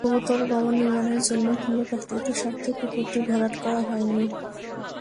বহুতল ভবন নির্মাণের জন্য কিংবা ব্যক্তিগত স্বার্থে পুকুরটি ভরাট করা হয়নি।